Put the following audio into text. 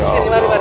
masuk dulu sini